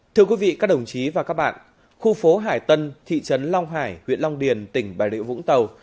thưa quý vị các đồng chí và các bạn khu phố hải tân thị trấn long hải huyện long điền tỉnh bà rịa vũng tàu